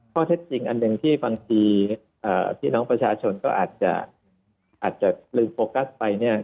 ข้อเท็จจริงอันหนึ่งที่บางทีพี่น้องประชาชนก็อาจจะลืมโฟกัสไปเนี่ย